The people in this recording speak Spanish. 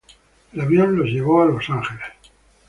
El avión lo llevó a Los Ángeles.